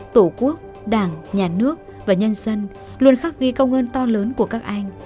tổ quốc đảng nhà nước và nhân dân luôn khắc ghi công ơn to lớn của các anh